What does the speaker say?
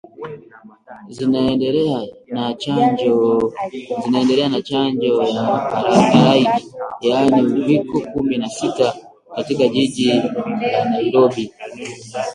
zinaendelea na Chanjo ya halaiki yaani uviko kumi na tisa katika Jiji la Nairobi